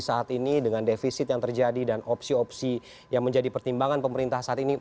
saat ini dengan defisit yang terjadi dan opsi opsi yang menjadi pertimbangan pemerintah saat ini